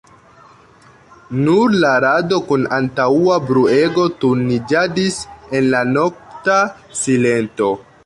Nur la rado kun antaŭa bruego turniĝadis en la nokta silento.